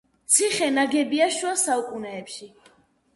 ციხე ნაგებია შუა საუკუნეებში.